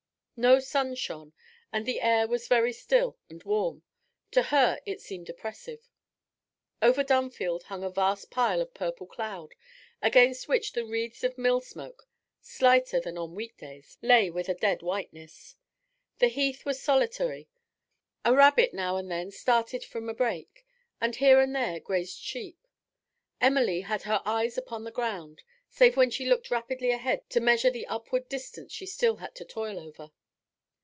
No sun shone, and the air was very still and warm; to her it seemed oppressive. Over Dunfield hung a vast pile of purple cloud, against which the wreaths of mill smoke, slighter than on week days, lay with a dead whiteness. The Heath was solitary; a rabbit now and then started from a brake, and here and there grazed sheep. Emily had her eyes upon the ground, save when she looked rapidly ahead to measure the upward distance she had still to toil over.